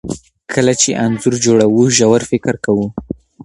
کله چې انځور جوړوو ژور فکر کوو.